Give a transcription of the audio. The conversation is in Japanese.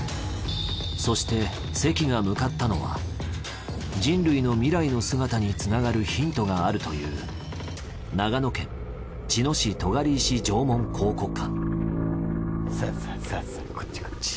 そして関が向かったのは人類の未来の姿につながるヒントがあるという長野県茅野市尖石縄文考古館さぁさぁこっちこっち。